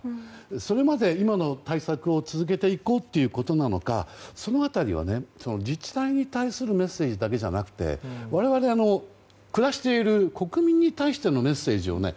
それまで今の対策を続けていこうということなのかその辺りは、自治体に対するメッセージだけじゃなくて我々暮らしている国民に対してのメッセージをね